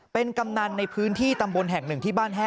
เป็นกำนันในพื้นที่ตำบลแห่งหนึ่งที่บ้านแห้